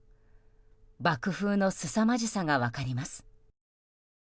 爆風のすさまじさが分かります。